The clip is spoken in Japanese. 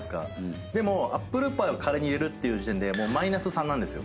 でもアップルパイをカレーに入れるっていう時点でマイナス３なんですよ。